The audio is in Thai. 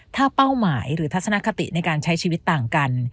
ถ้าเป้าหมายหรือทัศนคติในการใช้ชีวิตต่างกัน